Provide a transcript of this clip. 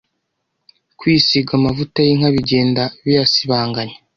kwisiga amavuta y’inka bigenda biyasibanganya